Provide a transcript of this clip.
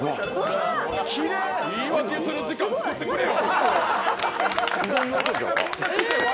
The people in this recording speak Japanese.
言い訳する時間、作ってくれよ！！